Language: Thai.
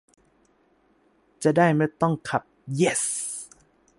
จะได้ไม่ต้องขับ เยส !